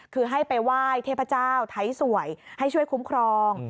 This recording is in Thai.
คือให้ไปไหว้เทพเจ้าไทยสวยให้ช่วยคุ้มครอง